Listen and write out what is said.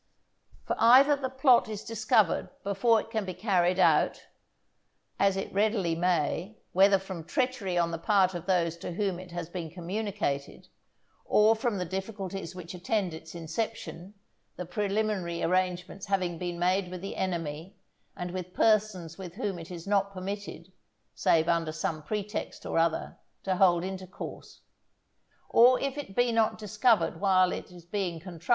For either the plot is discovered before it can be carried out, as it readily may, whether from treachery on the part of those to whom it has been communicated, or from the difficulties which attend its inception, the preliminary arrangements having to be made with the enemy and with persons with whom it is not permitted, save under some pretext or other, to hold intercourse; or if it be not discovered while it is being contrived, a thousand difficulties will still be met with in its execution.